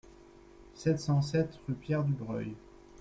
sept cent sept rue Pierre Dubreuil